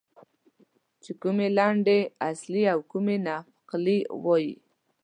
چې کومې لنډۍ اصلي او کومې نقلي ووایي.